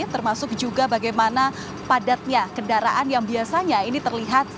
termasuk juga bagaimana padatnya kendaraan yang biasanya ini terlihat